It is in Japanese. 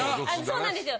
そうなんですよ。